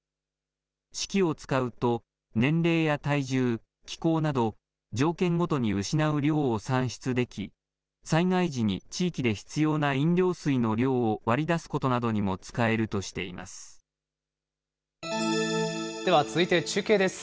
式を使うと、年齢や体重、気候など、条件ごとに失う量を算出でき、災害時に地域で必要な飲料水の量を割り出すことにも使えるとしてでは続いて中継です。